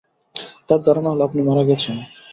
তাঁর ধারণা হল আপনি মারা গেছেন।